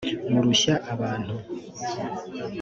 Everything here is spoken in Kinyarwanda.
murushya abantu